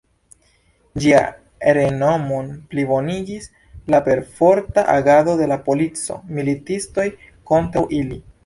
Ĝian renomon plibonigis la perforta agado de la polico, militistoj kontraŭ ili.